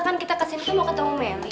kan kita kesini tuh mau ketemu memi